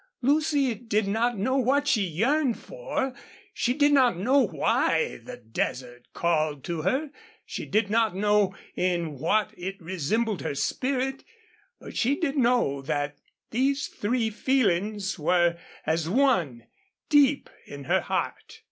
Lucy did not know what she yearned for, she did not know why the desert called to her, she did not know in what it resembled her spirit, but she did know that these three feelings were as one, deep in her heart.